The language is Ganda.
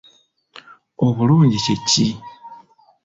Obulungi kye ki?